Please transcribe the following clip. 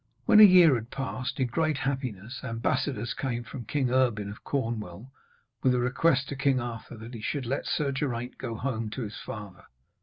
When a year had passed in great happiness, ambassadors came from King Erbin of Cornwall, with a request to King Arthur that he should let Sir Geraint go home to his father.